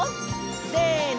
せの！